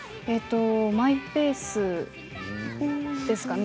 マイペースですかね。